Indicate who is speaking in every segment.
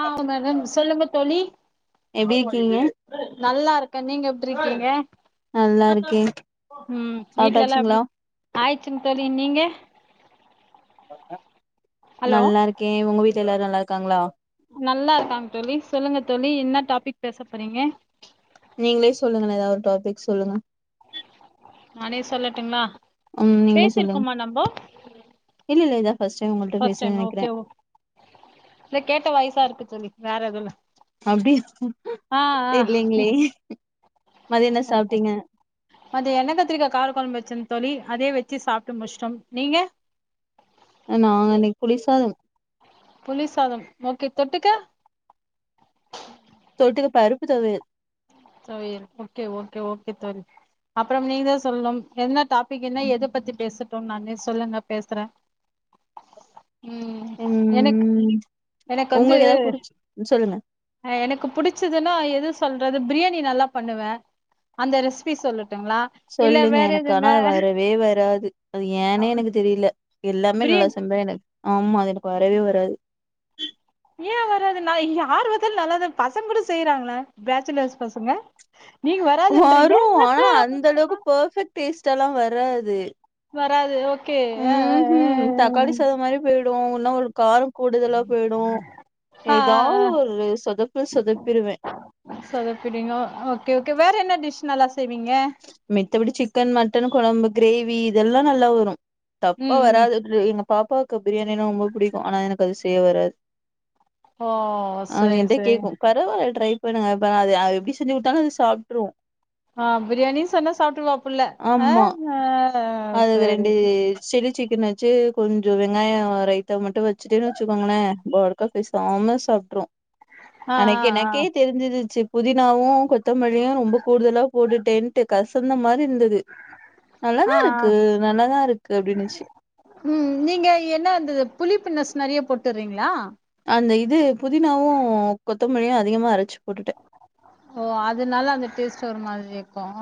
Speaker 1: ஆஹ மேடம் சொல்லுங்க தொலி
Speaker 2: எப்டி இருக்கீங்க
Speaker 1: நல்லா இருக்கேன் நீங்க இருக்கீங்க
Speaker 2: நல்லா இருக்கேன் சாப்பிட்டாச்சுங்களா
Speaker 1: ஆயிச்சு தோலி நீங்க ஹலோ
Speaker 2: நல்லா இருக்கேன் உங்க வீட் எல்லாரும் நல்லா இருக்காங்களா
Speaker 1: நல்லா இருக்காங்க தோலி சொல்லுங்க தோலி என்ன டாபிக் பேச போறீங்க
Speaker 2: நீங்களே சொல்லுங்க ஏதா ஒரு டாபிக் சொல்லுங்க
Speaker 1: நானே சொல்லட்டுங்களா
Speaker 2: ம் நீங்களே சொல்லுங்க
Speaker 1: பேசிருக்கோமா நம்போ
Speaker 2: இல்ல இல்ல இதா ஃபர்ஸ்ட் டைம் உங்கள்ட்ட
Speaker 1: ஃபர்ஸ்ட்
Speaker 2: பேசுறே
Speaker 1: டைம்
Speaker 2: நெனைக்கிறே
Speaker 1: ஓகே ஓ கேட்ட வாய்சா இருக்கு தோலி வேறதுவும்ல்ல
Speaker 2: அப்டி தெரிலலைங்களே
Speaker 1: ஓகே அது என்ன கத்திரிக்கா கார குலம்பு வச்ச தோலி அதே வச்சு சாப்ட்டு முஷ்டோம் நீங்க
Speaker 2: நா அன்னைக்கு புளிசாதம்
Speaker 1: தொட்டுக்கா
Speaker 2: தொட்டுக்க பருப்பு துவயல்
Speaker 1: துவயல் ஓகே ஓகே ஓகே அப்புறம் நீதான் சொல்னும் என்ன டாபிக் என்ன எத பத்தி பேசட்டும் நான் சொல்லுங்க பேசுறேன் ம் எனக்கு
Speaker 2: ம்
Speaker 1: எனக்கு வந்து
Speaker 2: உங்களுக்கு ஏதாவது புடிச்சு சொல்லுங்க
Speaker 1: எனக்கு பிடிச்சதுன்னா எது சொல்றது பிரியாணி ணி நல்லா பண்ணுவேன் அந்த ரெசிபி சொல்லு
Speaker 2: சொல்லுங்க எனக்கு ஆனா அது வரவே வராது அது ஏன்னே எனக்கு தெரில எல்லாமே நல்லா
Speaker 1: பிரியாணி
Speaker 2: செம்பேன் எனக் ஆமா அது எனக்கு வரவே வராது
Speaker 1: ஏன் வராது நா இங்க ஆர்வத்தில் நல்லா தான் பசங்க கூட செய்யறாங்கள பேச்சுலர்ஸ் பசங்க நீங்க வராதுன்றீங்க
Speaker 2: வரும் ஆனா அந்த அளவுக்கு பெர்பெக்ட் டேஸ்ட் எல்லாம் வர் வராது
Speaker 1: வராது ஓக்
Speaker 2: உம் ஹும் தக்காளி சாத மாதிரி போய்டும் என்ன ஒரு காரம் கூடுதலா போயிடும்
Speaker 1: ஆ ஆ ஆ ஆ
Speaker 2: ஏதாவது
Speaker 1: ஆ
Speaker 2: ஒரு சொதப்பு சொதப்பிருவேன்
Speaker 1: டிஸ் நல்லா செய்வீங்க
Speaker 2: மித்தபடி சிக்கன் மட்டன் குழம்புக் கிரேவி இதெல்லாம் நல்லா வரும் தப்பா
Speaker 1: ம் ம்
Speaker 2: வராதுங்க கிரேவி பாப்பாவுக்கு பிரியாணின்னா ரொம்ப புடிக்கும் ஆனா எனக்கு அது செய்ய வராது
Speaker 1: ஓ
Speaker 2: அது
Speaker 1: சரி
Speaker 2: என்ட்ட
Speaker 1: சரி
Speaker 2: கேட்கும் பரவாயில் ட்ரை பண்ணுங்க அத ப்ப அது எப்டி செஞ்சு கொடுத்தாலும் சாப்டுருவோம்
Speaker 1: ஆஹ் பிரியாணின் சொன்னா சாப்பிட்டுவாப் புள்ள
Speaker 2: ஆமா.
Speaker 1: ஆஹ் ஆஹ் சரி
Speaker 2: கன் கொஞ்சம் வெங்காய ரைத்த மட்டும் வச்சுட்டேன்னு வச்சுக்கோங்களேன்அது பேசாம சாப்பிடுற
Speaker 1: ஆ
Speaker 2: அனைக்கு
Speaker 1: ஆ
Speaker 2: எனக்கே தெரிஞ்சிருச்சு புதினாவும் கொத்தமலியும் ரொம்ப கூடுதலா போட்டுட்டேன் ட்டு கசந்த மா இருந்தது
Speaker 1: ஆ ஆ
Speaker 2: நல்லதா
Speaker 1: ஆ
Speaker 2: இருக்கு நல்லதா இருக்கு அப்டின்ச்சு
Speaker 1: ம் நீங்க என்ன அந்த புளிப்புனஸ் நெறைய போட்டுறீங்களா
Speaker 2: அந்த இது புதினாவும் கொத்தமல்லியும் அதிகமா அரைச்சு போட்டுட்டேன்
Speaker 1: ஓ அதனால அந்த டேஸ்ட் ஒரு மாதிரி இருக்கும்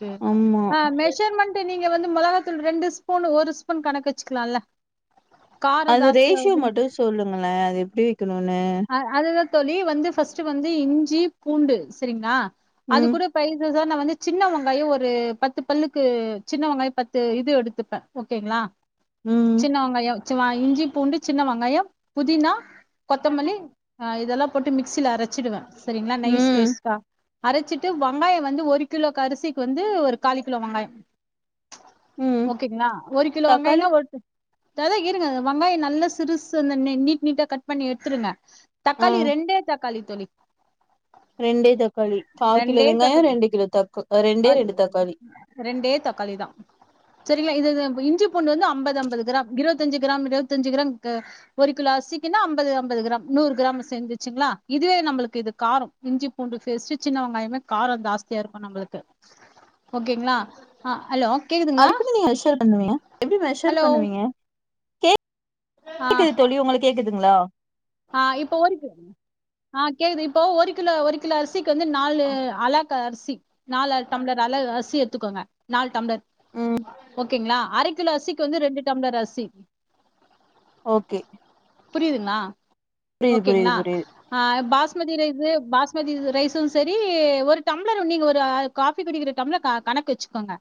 Speaker 1: கே
Speaker 2: ஆமா
Speaker 1: மெஷர்மண்ட நீ நீங்க வந்து மொளகாத்தூள் ரெண்டு ஸ்பூன் ஒரு ஸ்பூன் கணக்கு வச்சுக்கலாம்ல
Speaker 2: அது ரேஷியோ மட்டும் சொல்லுங்களேன் அது எப்டி இருக்கணும்னு
Speaker 1: அ அதுதா தோழி வந்து ஃபஸ்ட் வந்து இஞ்சி பூண்டு சரிங்களா அது
Speaker 2: ம்
Speaker 1: கூட பைசஸ் அதான் நான் வந்து சின்ன வெங்காயம் ஒரு பத்து பல்லுக்கு சின்ன வெங்காயம் பத்து இது எடுத்துப்பேன் ஓகேங்களா
Speaker 2: ம்
Speaker 1: சின்னவெங்காயம் இஞ்சி பூண்டு சின்ன வெங்காயம் புதினா கொத்தமல்லி ஹ இதெல்லாம் போட்டு மிக்சியில அரைச்சிடுவேன் சரிங்களா நைஸ்
Speaker 2: ம்
Speaker 1: பேஸ்ட்டா அரைச்சிட்டு வெங்காயம் வந்து ஒரு கிலோ அரிசிக்கு வந்து ஒரு காலு கிலோ வெங்காயம்
Speaker 2: ம்
Speaker 1: ஓகேங்களா ஒரு கிலோ
Speaker 2: தக்காளி
Speaker 1: வெங்காயனா ஒரு தா இரு இருங்கது வெங்காயம் நல்ல சிருசு அந்த நீட் நீட்டா கட் பண்ணி எ இருங்க
Speaker 2: ஆ
Speaker 1: தக்காளி ரெண்டே தக்க தக்காளி தோழி
Speaker 2: ரெண்டே தக்காளி கால் கிலோ
Speaker 1: ரெண்டே
Speaker 2: வெங்காயம்
Speaker 1: தக்காளி
Speaker 2: ரெண்டு கிலோ தக்க ரெண்டே
Speaker 1: அ
Speaker 2: ரெண்டு தக்காளி
Speaker 1: ரெண்டே தக்காளி தா சரிங்களா இது இஞ்சி பூண்டு வந்து ஐம்பது ஐம்பது கிராம் இருவத்தஞ்சு கிராம் இருவத்தஞ்சு கிராம் ஒரு கிலோ அரிசிக்குன்னா ஐம்பது நூறு கிராம் சேந்துச்சுங்களா இதுவே நம்மளுக்கு இது காரம் இஞ்சி பூண்டு பேஸ்ட்டு சின்ன வெங்காயமே காரம் ஜாஸ்தியா இருக்கும் நம்மளுக்கு ஓகேங்களா ஹலோ கேக்குதுங்களா
Speaker 2: அது எப்டி நீங்க மெஷர் பண்ணுவீங்க எப்டி மெஷர்
Speaker 1: ஹலோ
Speaker 2: பண்ணுவீங்க கேக்குது தோழி உங்களுக்கு கேக் ங்களா
Speaker 1: ஆஹ் இப்போ ஒரு ஆஹ் கேக்குது இப்போ ஒரு கிலோ ஒரு கிலோ அரிசி வந்து நாலு அலாக்கு நாலு டம்ளர் அளவு அரிசி எடுத்துக்கோங்க நாலு டம்ளர்
Speaker 2: ம்ம்
Speaker 1: ஓகேங்களா அரை கிலோ அரிசிக்கு வந்து ரெண்டு டம்ளர் அரிசி
Speaker 2: ஓகே
Speaker 1: புரியுதுங்களா
Speaker 2: புரியுது புரியுது
Speaker 1: ஓகேங்களா
Speaker 2: புரியுது
Speaker 1: ஆஹ பாஸ் பாஸ்மதி ரைஸ் பாஸ்மதி ரைசும் சரி ஒரு டம்ளர் நீங்க ஒரு காஃபி குடிக்கிற டம்ளர் கணக்கு வச்சுக்கோங்க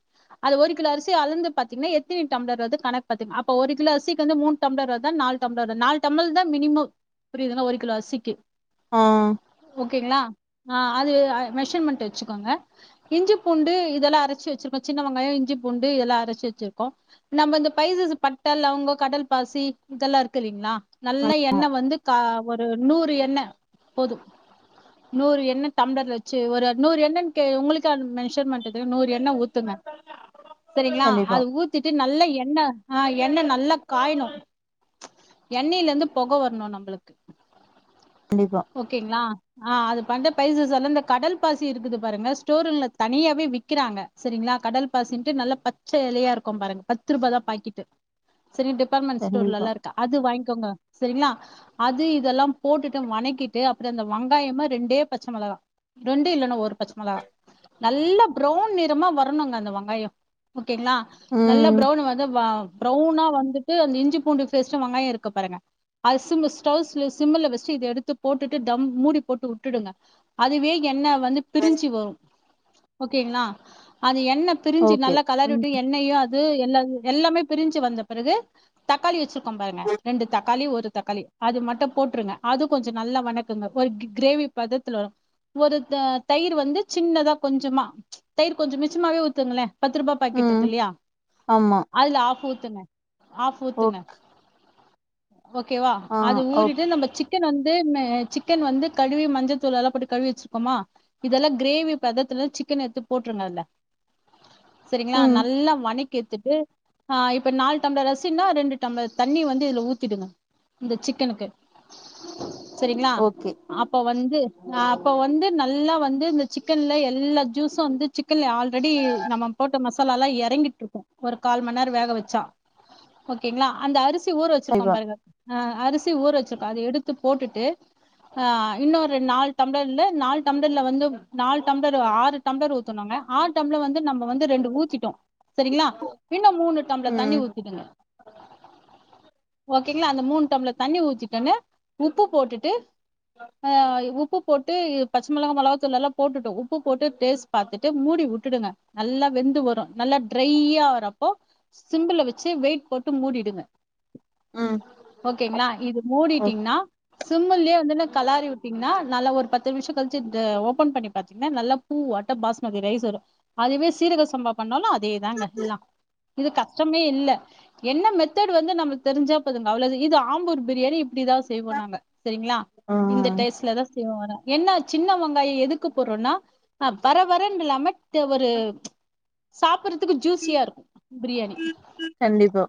Speaker 1: அது ஒரு கிலோ அரிசி அளந்து பாத்தீங்கன்னா எத்தனி டம்ளர் வருது கணக்கு பாத்தீங்கனா அப்ப ஒருகிலோ அரிசிக்கு வந்து மூணு டம்ளர் வருதா நாலு டம்ளர் வருதா மினிமம் புரியுதுன்னா ஒரு கிலோ அரிசிக்கு
Speaker 2: ஆஹ்
Speaker 1: ஓகேங்களா ஆ அது மெஷர்மெண்ட் வச்சுக்கோங்க இஞ்சி பூண்டு இதெல்லாம் அரைச்சி வச்சிருக்கோம் சின்ன வெங்காயம் இஞ்சி பூண்டு இதெல்லாம் அரைச்சு வச்சிருக்கோம் நம்ம இந்த பைசஸ் பட்டை லவங்கம் கடல் பாசி இதெல்லாம் இருக்கு இல்லைங்களா நல்ல
Speaker 2: ஆமா
Speaker 1: எண்ணெய் வந்து ஒரு நூறு எண்ணை போதும் நூறு எண்ண டம்லர்ல வச்சு ஒரு நூறு எண்ணெய்ன்னு உங்களுக்க மெசர்மென்ட் அது நூறு எண்ணெய் ஊத்துங்க சரிங்களா
Speaker 2: கண்டிப்பா
Speaker 1: அது ஊத்திட்டு நல்ல எண்ணெய் ஆஹ் எண்ணெய் நல்லா காயணும் எண்ணெயில இருந்து புகை வரணும் நம்மளுக்கு
Speaker 2: கண்டிப்பா
Speaker 1: ஓகேங்களா ஆஹ் அது பண் பைசஸ் இந்த கடல் பாசி இருக்குது பாருங்க ஸ்டோர் ரூம்ல தனியாவே விக்கிறாங்க சரிங்களா கடல் பாசின்ட்டு நல்லா பச்சை இலையா இருக்கும் பாருங்க பத்து ரூபாய் தான் பாக்கெட்டு சரிங்க டிபார்ட்மெண்ட் ஸ்டோர்ல
Speaker 2: கண்டிப்பா
Speaker 1: எல்லாம் இருக்கு அது வாங்கோங்க சரிங்களா அது இதெல்லாம் போட்டுட்டு வணக்கிட்டு அப்புறம் அந்த வெங்காயமா ரெண்டே பச்ச மிளகா ரெண்டும் இல்லன்னா ஒரு பச்ச மிளகா நல்ல ப்ரவுன் நிறமா வரணும்ங்க அந்த வெங்காயம் ஓகேங்களா நல்ல
Speaker 2: ம்
Speaker 1: ப்ரவுன் வந்து வா ப்ரௌனா வந்துட்டு அந்த இஞ்சி பூண்டு பேஸ்ட்டு வெங்காயோ இருக்கு பாருங்க அஸ்சுமிஸ். ஸ்டவ்ஸ்ல சிம்ல வச்சு எடுத்து போட்டுட்டு டம் மூடி போட்டு வுட்டுடுங்க அதுவே என்ன. வந்து பிரிஞ்சி வரு. ஓகேங்களா அது என். எண்ணப்பிரிஞ்சு
Speaker 2: ஓகே
Speaker 1: நல்லா
Speaker 2: ம்
Speaker 1: கலருட்டு எண்ணெயு அது. து எல் எல்லாமே பிரிஞ்சு வந்த பிறகு. தக்காளி வச்சிருக்கோம் பாருங்க ரெண்டு தக்காளி ஒரு தக்காளி. அது மட்டும் போட்டுருங்க அது கொஞ்சோ நல்லா வணக்குங்க ஒரு கிரேவி பதத்துல வரும். ஒரு தயிர் வந்து சின்னதா கொஞ்சமா ம்ச். தயிர் கொஞ்சோ மிச்சமாவே ஊத்துங்களே. பத்து ரூபா பாக்கெட் இருக்கு
Speaker 2: ம்
Speaker 1: இல்லையா.
Speaker 2: ஆமா
Speaker 1: அதுல ஆஃப் ஊத்துங்க ஆஃப்
Speaker 2: ஓ
Speaker 1: ஊத்துங்க. ஓகேவா.
Speaker 2: ஆ
Speaker 1: அது ஊறிட்டு
Speaker 2: ஓகே
Speaker 1: நம்ப சிக்கன் வந்து. து மே சிக்கன் வந்து கழுவி மஞ்சத்தூள் எல்லா போட்டு கழுவி வச்சிருக்கோமா. இதெல்லா கிரேவி பதத்துல சிக்கன் எடுத்து போட்டுருங்க இதுல்ல. சேரிங்களா
Speaker 2: ம்
Speaker 1: நல்ல வணக். கியெடுத்துட்டு. ஆஹ இப்ப நாலு டம்ளர் அரிசின்னா ரெண்டு டம்ளர் தண்ணி வந்து இதுல ஊத்திடுங்க. இந்த சிக்கனுக்கு. சேரிங்களா
Speaker 2: ஓகே
Speaker 1: ஆப்ப வந்து. அப்ப வந்து நல்லா வந்து இந்த சிக்கன்ல எல்லா ஜூசும் வந்து சிக்கன்ல ஆல்ரெடி நம்ம போட்ட மசலா எல்லா இறங்கிட்டு இருக்கு. ஒரு கால் மணி நேரம் வேக வச்சா. ஓகேங்களா அந்த அரிசி. த்தி ஊர வச்சிருக்கோ
Speaker 2: கண்டிப்பா
Speaker 1: பாருங்க. ஹ அரிசி ஊற வச்சிருக்கோ அத எடுத்து போட்டுட்டு. ஹ இன்னொரு நாலு டம்பளர்ல்ல நாலு டம்பளரல்ல வந்து நாலு டம்பளர் ஆறு. டம்பளர் ஊத்தனுங்க ஆறுடம்ள வந்து நம்ம வந்து ரெண்டு ஊத்திட்டோ சேரிங்களா. இன்னும் மூணு டம்பளர் தண்ணி
Speaker 2: ம்
Speaker 1: ஊத்திடுங்க. ஓகேங்களா. அந்த மூணு டம்ழளர் தண்ணி ஊத்திடடன்னு. உப்பு போட்டுட்டு அஹ உப்பு போட்டு பச்சமிளகா மெளகாத்தூள் எல்லா போட்டுட்டோ உப்பு போட்டு டேஸ்ட் பாத்துட்டு மூடி வுட்டுடுங்க. நல்லா வெந்து வரும் நல்லா ட்ரையா வரப்போ சிம்புல வச்சு வெயிட் போட்டு மூடிடுங்க.
Speaker 2: உம்.
Speaker 1: ஓகேங்களா இது மூடிட்டீங்ன்னா. சிம்லயே வந்து கலாரி வுட்டீங்கன்னா நல்லா ஒரு பத்து நிமிஷோ கழிச்சு த ஓபன் பண்ணி பாத்தீங்கன்னா நல்லா பூ ஆட்டோ பாஸ்மதி ரைஸ் வரு. அதுவே சீரக சம்பா பண்ணாலும் அதேதாங்க எல்லா இது கஷ்டமே இல்ல. என்ன மெத்தட் வந்து நம்மளுக்கு தெரிஞ்சா போதுங். அவ்ளது இது ஆம்பூர் பிரியாணி. அப்படிதா செய்வோனாங்க செரிங்களா.
Speaker 2: ஆ
Speaker 1: இந்த டேஸ்லதா செய்வோ வேற. என்ன சின்ன வெங்காயோ எதுக்கு போடுறோம்னா. ஹ பரபரன்னு இல்லாம ஒரு ம்ச் சாப்புறதுக். துக்கு ஜூசியா இருக்கு பிரியாணி.
Speaker 2: கண்டிப்பா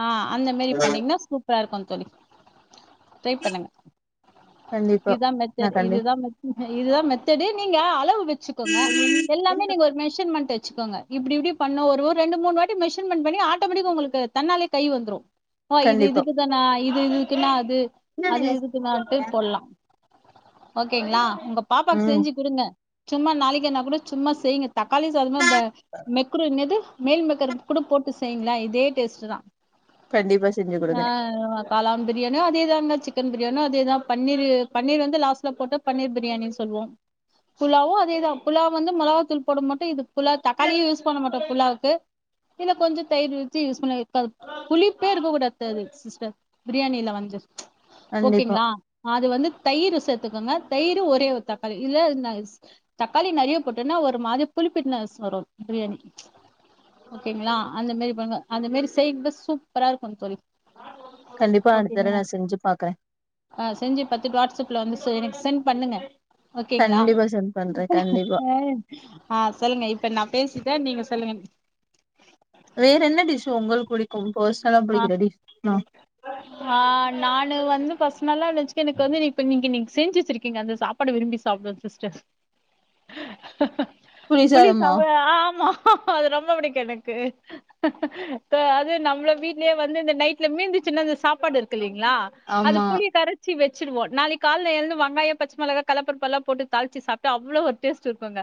Speaker 1: ஆஹ அந்த மாரி பண்ணீங்கன்னா சூப். சூப்பரா இருக்கு தோழி. ட்ரை பண்ணுங்க.
Speaker 2: கண்டிப்பா
Speaker 1: இதுதா
Speaker 2: நா
Speaker 1: மெத்தட்டு
Speaker 2: கண்டி
Speaker 1: இதுதா இதுதான் மெத்தடு நீங்க அளவு வச்சுக்கோங்க எல்லாமே நீங்க ஒரு மெஷர்மெண்ட் வச். வச்சுக்கோங்க இப்டி இப்டி பண்ண ஒரு ரெண்டு மூணு வாட்டி மெஷர்மெண்ட் பண்ணி ஆட்டோமெட்டிக் உங்களுக்கு தன்னாலே கை வந்துரு.
Speaker 2: கண்டிப்பா.
Speaker 1: ஆஹ இது இதுக்குனா அது. அது இதுக்குதான்ட்டு போல்லா. ஓகேங்களா. உங்க பாப்பாக்கு
Speaker 2: ம்
Speaker 1: செஞ்சு கொடுங்க சும்மா நாளிகன்னா கூட சும்மா செய்ங்க தக்காளி சாதமா பா மெக்குன் நாது மேல்மக்கர் கூட போட்டு செய்யுங்கள இதே டேஸ்ட் தான்
Speaker 2: கண்டிப்பா செ
Speaker 1: ஆஹ் காலான் பிரியாணியோ அதேதாங்க சிக்கன் பிரியாணியோ அதேதான் பன்னீரு பன்னீர் வந்து லாஸ்ட்டில் போட்டு பன்னீர் பிரியாணின்னு சொல்லவோம் புலாவும் அதேதான் புலாவு வந்து மிளகாத்தூள் போட மாட்டோம் இது புலா தக்காளியும் யூஸ் பண்ண மாட்டோம் புலாவுக்கு இதில்ல கொஞ்சம் தயிர் வச்சு யூஸ் பண்ண புளிப்பே இருக்கக்கூடாது சரி சிஸ்டர் பிரியாணியிலா வந்து
Speaker 2: கண்டிப்பா
Speaker 1: ஓகேங்களா அது வந்து தயிர் சத் த்துக்கோங்க தயிர் ஒரே ஒரு தக்காளி இதுல தக்காளி நிறைய போட்டனா ஒரு மாரி புளிப்புனஸ் வரும் பிரியாணி ஓகேங்களா அன்தமேறி கொஞ்சோ அன்தமேறி செய்க சூப்பரா இருக்கும் தோலி
Speaker 2: கண்டிப்பா அடுத்த தடவ
Speaker 1: ஓகேங்க
Speaker 2: நா செஞ்சு பாக்குறே
Speaker 1: ஹா செஞ்சு பாத்துட்டு வாட்ஸ்ப்ல வந்து செ சென்ட் பண்ணுங்க ஓகேங்களா
Speaker 2: கண்டிப்பா சென்ட் பண்றே கண்டிப்பா
Speaker 1: ஆஹ் சொல்லுங்க இப்ப நான் பேசிட்டேன் நீங்க சொல்லுங்க
Speaker 2: வேற என்ன டிஷும் உங்களுக்கு புடிக்கும் பர்சனலா புடிக்கிற டிஷ் ஆ
Speaker 1: ஆஹ்ஹ் நானு வந்து பஸ் நல்லா இந்துச்சு எனக்கு வந்து இப்ப நீங்க நீங்க செஞ்ச்சி வெசுருக்கீங்க அந்த சாப்பாடு விரும்பி சாப்பிட சிஸட்ர்
Speaker 2: புளி சாதமா
Speaker 1: புலிசாத ஹா ஆஹாமா ஹாஹா அது ரொம்ப பிடிக்கும் எனக்கு அது நம்மள வீட் லே வந்து இந்த நைட்ல மீந்து சின்ன அந்த சாப்பாடு இருக்குயில்லக் லா அது
Speaker 2: ஆமா
Speaker 1: புளி கரைச்சி வச் வச்சிடுவோ நாளைக்கு கால எழுந்து வெங்காயம் பச்ச மளக கல்லப்பருப்பெல்லாம் பொட்டு தாளிச்சி சாப்பிட்டா அவ்வளவு ஒரு டேஸ்ட் இருக்குங்க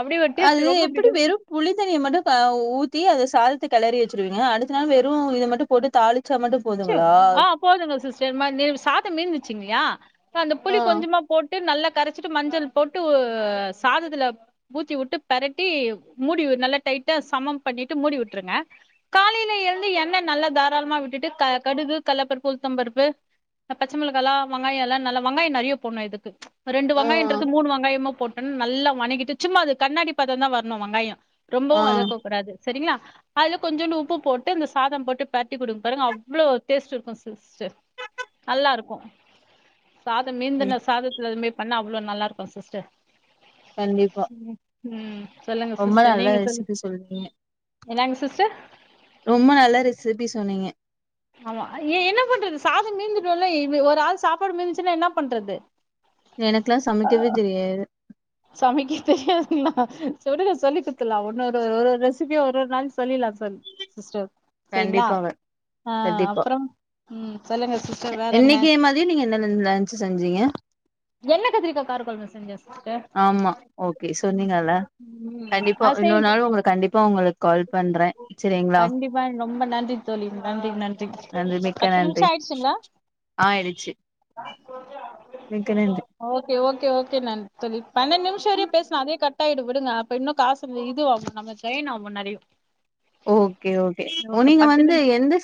Speaker 1: அப்டி ஒரு
Speaker 2: அது
Speaker 1: டேஸ்ட் ரொம்ப
Speaker 2: எப்படி
Speaker 1: பிடிக்குது
Speaker 2: வெறும் புளித்தண்ணிய மட்டும் ஊத்தி அத சாத கிளறி வச்சிருவிங்க அடுத்த நாள் வெறும் இத மட்டும் போட்டு தாலி
Speaker 1: ச்சு போதுங்க சிஸ்டர் மா நெ சாதம் மிந்துச்சு இல்லையா அந்த
Speaker 2: ஆ
Speaker 1: புளி கொஞ்சமா போட் ட்டு நல்லா கரைச்சிட்டு மஞ்சள் போட்டு ஹு சாதத்துல ஊத்திவுட்டு பெரட்டி மூடி நல்லா டைட்டா சமம் பண்ணிட்டு மூடி விட்டுருங்க காலையில எழுந்து எண்ணெய் நல்லா தாராளமா விட்டுட்டு கா கடுகு கல்லபருப்பு உளுத்தபருப்பு பச்ச மிளகாயலாம் வெங்காயம் எல்லாம் நல்லா வங்காயம் நிறைய போடணும் இதுக்கு ரெண்டு
Speaker 2: ஆ
Speaker 1: வெங்காயம்ன்றது மூணு வெங்காயமா போட் நல்லா வணங்கிட்டு சும்மா அது கண்ணாடி பத்தம் தான் வரணும் வெங்காயம்
Speaker 2: ஆ
Speaker 1: ரொம்பவும் வதக்க கூடாது சரிங்களா அதுல கொஞ்சோண்டு உப்பு போட்டு இந்த சாதம் போட்டு பிரட்டி குடுத்து பாருங்க அவவ்வளோ ஒரு டேஸ்ட் இருக்கும் சிஸ டர் நல்லா இருக்கோம் சாதம்
Speaker 2: ம்.
Speaker 1: மீந்தன சாதத்துல பண்ணா அவ்வளோ நல்லாக்கும் சிஸ்டர்
Speaker 2: கண்டிப்பா
Speaker 1: உம்
Speaker 2: ரொம்ப நல்ல சிக்கு சொல்றீங்க
Speaker 1: என்னங்க சிஸ்டர்
Speaker 2: ரொம்ப நல்ல ரெசிபி சொன்னீங்க
Speaker 1: ஆமா ஏ என்ன பண்றது சாதம் மீந்துட்ம்ல ஒரு ஆள் சாப்பாடு மீந்துச்சுன்னா என்ன பண்றது
Speaker 2: எனக்கெல்லாம் சமைக்கவே தெரியாது
Speaker 1: சமைக்க தெரியாதுங்களா சொல்லி குத்துலாம் ஒன்னு ஒரு ஒரு ரெசிபிய ஒரு ஒரு நாளைக்கு சொல்லிலாம் சொ சிஸ்டர் சரிங்களா
Speaker 2: கண்டிப்பாங்க
Speaker 1: அஹ்
Speaker 2: கண்டிப்பா
Speaker 1: அப்புறம் உம் சொல்லுங்க
Speaker 2: அ
Speaker 1: சிஸ்டர் வேற என்ன
Speaker 2: இன்னைக்கு மதியம் நீங்க என்ன லன்ச் செஞ்சீங்க
Speaker 1: என்ன கத்திரிக்கா கார கொழம்பு செஞ்சா சிஸ்டர்
Speaker 2: ஆமா ஓக்கே சொன்னீங்கல
Speaker 1: ம்
Speaker 2: கண்டிப்பா
Speaker 1: ஆ செய்
Speaker 2: இன்னொரு நாாளும் உங்க கண்டிப்பா உங்களுக்கு கால் பண்றேன் சரிங்களா
Speaker 1: கண்டிப்பா ரொம்ப நன்றி தோழி நன்றி நன்றி
Speaker 2: நன்றி மிக்க
Speaker 1: பத்து
Speaker 2: நன்றி
Speaker 1: நிமிஷம் ஆயிடுச்சுங்களா
Speaker 2: ஆயிடுச்சு மிக்க நன்றி
Speaker 1: ஓக்கே ஓக்கே ஓக்கே நன்றி தோழி பன்னெண்டு நிமிஷ வரை பேசும் அதே கட்ட ஆயிடு விடுங்கப்ப இன்னும் காசு இது ஆகும் நம்ம ஜெயின் ஆகும் நிறைய
Speaker 2: ஓக்கே ஓக்கே நீங்க வந்து
Speaker 1: நிமிஷ்
Speaker 2: எந்த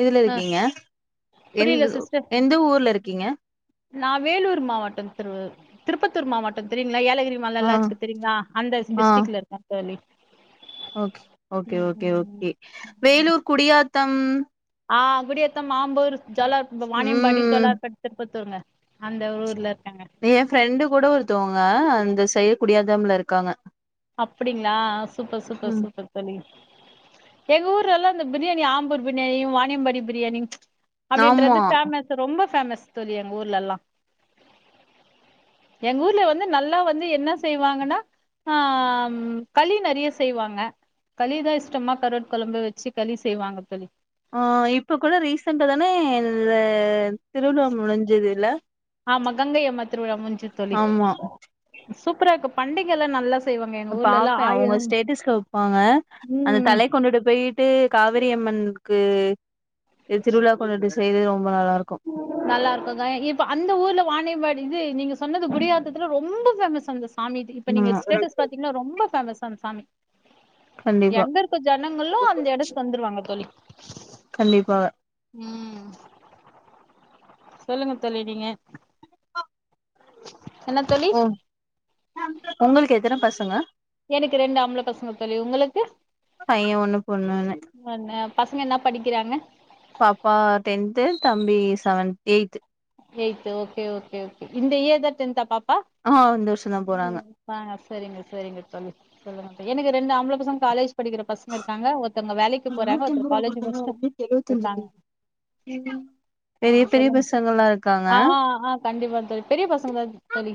Speaker 2: இதுல
Speaker 1: ஆ
Speaker 2: இருக்கீங்க எந்த எந்த ஊர்ல இருக்கீங்க
Speaker 1: நான் வேலூர் மாவட்டம் திரு திருப்பத்தூர் மாவட்டம் தெரிய ங்களா ஏலகிரில
Speaker 2: ஆ
Speaker 1: எல்லாம் இருக்கு தெரியங்களா அந்த டிஸ்ட்ரிக்ல இருக்கோம்
Speaker 2: ஓக்கே ஓக்கே
Speaker 1: ம்
Speaker 2: ஓக்கே வேலூர் குடியா தம்
Speaker 1: ஆஹ் குடி ஏத்தம் மாம்பூர் ஜாலா வானியம் பாடி
Speaker 2: ம்
Speaker 1: ஜாலா கடுத்துட்டு பத்துவங்க அந்த ஊர்லத்
Speaker 2: என் ஃப்ரெண்டு கூட ஒருத்தவங்க அந்த செய்ய குடியாதம்ல இருக்காங்க
Speaker 1: அப்படிங்களா சூப்பர் சூப்பர்
Speaker 2: ம்
Speaker 1: சூப்பர் தோழி எங்க ஊர்ல எல்லா இந்த பிரியாணி ஆம்பூர் பிரியாணி வாானியம்பாடி பிரியாணி
Speaker 2: ஆமா
Speaker 1: அப்படின்றது ஃபேமஸ் ரொம்ப ஃபேமஸ் தோழி எங்க ஊர்ல்லாம் எங்க ஊர்ல வந்து நல்லா வந்து என்ன செய்வாங்கன்னா ஆஹ் களி நிறைய செய்வாங்க களிதான் இஷ்டமா கரு குழம்பு வச்சு களி செய்வாங்க தோழி
Speaker 2: ஆஹ் இப்ப கூட ரீசென்டா தானே இது திருவள்ளுவம் முடிஞ்சதுல
Speaker 1: ஆமா கங்கை அம்ம திருவிழா முடிஞ்சுது தோழி
Speaker 2: ஆமா
Speaker 1: சூப்பரா இருக்கு பண்டிகைல்லாம் நல்லா செய்வாங்க எங்க ஊர்லல்லா
Speaker 2: பாப்பேன் அவங்க
Speaker 1: ஆயிரம்
Speaker 2: ஸ்டேட்டஸ்ல வைப்பாங்க அந்த
Speaker 1: ம்
Speaker 2: தலை கொண்டுட்டு போயிட்டு காவிரி அம்மன் க்கு எ திருவிழா கூட செய்துரோ
Speaker 1: நல்லா இருக்கும் இப்ப அந்த ஊர்ல வாணிய வாணியம்பாடி இது நீங்க சொன்னது குடியாத்தத்தில ரொம்ப ஃபேமஸ் அந்த சாமி இப்ப நீங்க
Speaker 2: ஆமா
Speaker 1: ஸ்டேட்டஸ் பாத்தீங்கன்னா ரொம்ப பேமஸ் அந்த சாமி
Speaker 2: கண்டிப்பா
Speaker 1: எங்க இருக்க ஜனங்களும் அந்த எடத்துக்கு வந்துருவாங்க தோழி
Speaker 2: கண்டிப்பாக
Speaker 1: உம் சொல்லுங்க தோழி நீங்க என்ன தோழி
Speaker 2: ஓ உங்களுக்கு எத்தன பசங்க
Speaker 1: எனக்கு ரெண்டு ஆம்பள பசங்க தோழி உங்களுக்கு
Speaker 2: பைய ஒண்ணு பொண்ணுன்னு
Speaker 1: பசங்க என்ன படிக்கிறாங்க
Speaker 2: seventh eighth
Speaker 1: eighth okay okay okay இந்த இயர்தா டென்தா பாப்
Speaker 2: ஆஹ் இந்த வருஷம் தான் போறாங்க
Speaker 1: செரிங்க செரிங்க தோழி சொல்லுங்க எனக்கு ரெண்டு ஆம்பள பசங்க காலேஜ் படிக்கிற பசங்க இருக்காங்க ஒருத்தவங்க வேலைக்கு போறாங்க
Speaker 2: நூத்தம்பது ரூவா
Speaker 1: ஒருத்தர்காலேஜ்
Speaker 2: குடுத்தாங்க
Speaker 1: முடிச்சிட்டு
Speaker 2: அதுலயே எழுவத்தஞ்சு
Speaker 1: இருக்காங்க
Speaker 2: பெரிய
Speaker 1: ஆஹ்
Speaker 2: பெரிய
Speaker 1: சொல்லுங்க
Speaker 2: பசங்கல்லா இருக்காங்க
Speaker 1: ஆஹ் ஆஹ கண்டிப்பா பெரிய பசங்க தான் தோழி